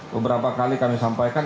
beberapa kali kami sampaikan